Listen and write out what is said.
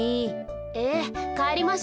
ええかえりましょう。